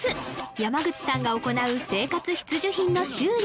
山口さんが行う生活必需品の修理